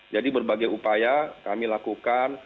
jadi berbagai upaya kami lakukan